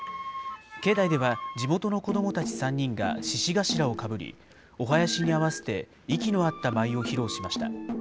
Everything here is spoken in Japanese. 境内では地元の子どもたち３人が獅子頭をかぶり、お囃子に合わせて、息の合った舞を披露しました。